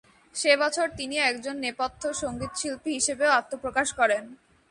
সে বছর তিনি একজন নেপথ্য সঙ্গীতশিল্পী হিসেবেও আত্মপ্রকাশ করেন।